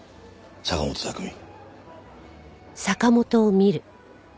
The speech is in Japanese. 坂元拓海。